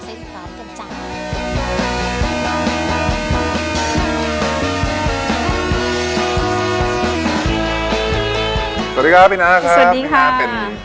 สวัสดีครับปีนะครับเป็นร้องพุจกรรมร้านใช่ไหมครับ